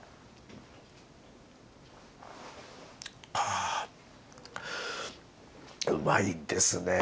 あうまいですね。